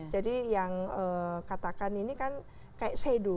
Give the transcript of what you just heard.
jadi yang katakan ini kan kayak seduh